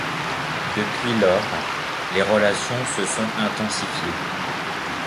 Depuis lors, les relations se sont intensifiées.